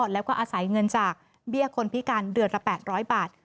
แล้วก็อาศัยเงินจากเบี้ยคนพิการเดือนละ๘๐๐บาท